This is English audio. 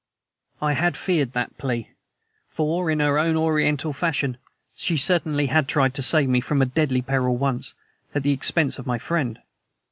I had feared that plea, for, in her own Oriental fashion, she certainly had tried to save me from a deadly peril once at the expense of my friend.